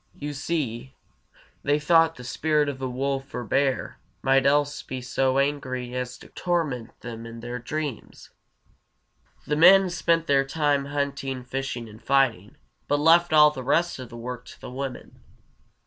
You see, they thought the spirit of a wolf or bear might else be so angry as to torment them in their dreams! [Illustration: A Papoose.] The men spent their time hunting, fishing, and fighting, but left all the rest of the work to the women.